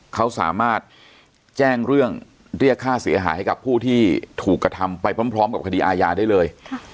เขาสามารถแจ้งเรื่องเรียกค่าเสียหายให้กับผู้ที่ถูกกระทำไปพร้อมกับคดีอาญาได้เลย